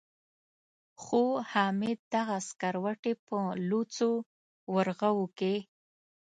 خو حامد دغه سکروټې په لوڅو ورغوو کې.